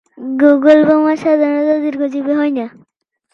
Google বোমা সাধারণত দীর্ঘজীবী হয়না।